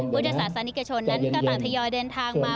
พุทธศาสนิกชนนั้นก็ต่างทยอยเดินทางมา